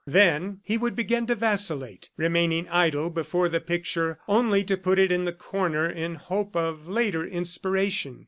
Then he would begin to vacillate, remaining idle before the picture only to put it in the corner in hope of later inspiration.